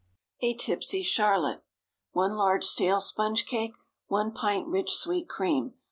A TIPSY CHARLOTTE. ✠ 1 large stale sponge cake. 1 pint rich sweet cream.